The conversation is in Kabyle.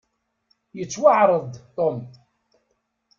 Yettwaɛreḍ-d Tom.